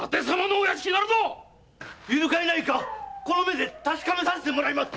いるかいないかこの目で確かめさせてもらいます！